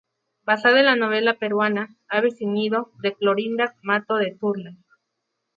Basada en la novela peruana "Aves sin nido" de Clorinda Matto de Turner.